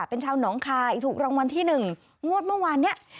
เป็นชาวหนองคายถูกรางวัลที่๑งวดเมื่อวานเนี่ย